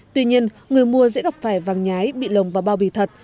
tuy nhiên người mua sẽ gặp phải vàng nhái bị lồng và bao bì thật